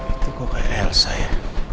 itu kok kayak elsa ya